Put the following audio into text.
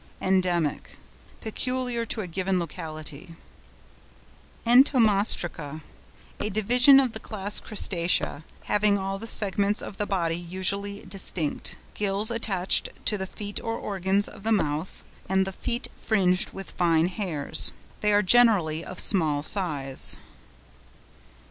ENDEMIC.—Peculiar to a given locality. ENTOMOSTRACA.—A division of the class Crustacea, having all the segments of the body usually distinct, gills attached to the feet or organs of the mouth, and the feet fringed with fine hairs. They are generally of small size.